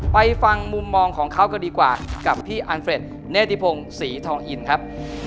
ไปฟังมุมมองของเขาก็ดีกว่ากับพี่อันเฟรดเนธิพงศรีทองอินครับ